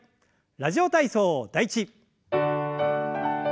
「ラジオ体操第１」。